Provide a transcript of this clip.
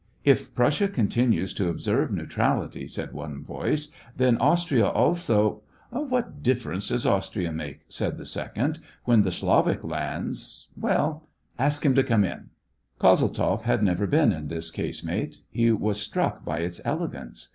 " If Prussia continues to observe neutrality," said one voice, *' then Austria also ..."" What difference does Austria make," said the second, " when the Slavic lands ... well, ask him to come in." Kozeltzoff had never been in this casemate. He was struck by its elegance.